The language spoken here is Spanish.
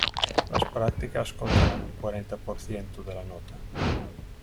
Las prácticas contarán un cuarenta por ciento de la nota.